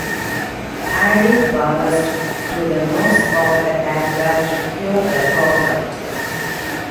Adding ballast to the nose of the aircraft cured the problem.